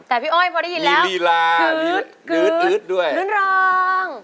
แต่พี่อ้อยพอได้ยินแล้วคืดคืดลื้นร้าง